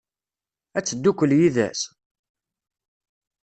Ad teddukel yid-s?